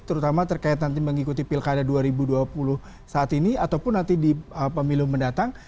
terutama terkait nanti mengikuti pilkada dua ribu dua puluh saat ini ataupun nanti di pemilu mendatang